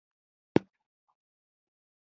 شايد اوس هم مونږ د دې جوګه کړي